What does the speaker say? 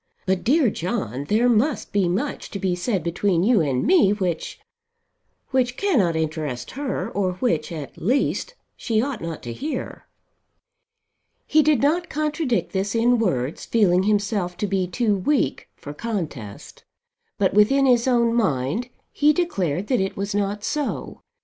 But, dear John, there must be much to be said between you and me which, which cannot interest her; or which, at least, she ought not to hear." He did not contradict this in words, feeling himself to be too weak for contest; but within his own mind he declared that it was not so.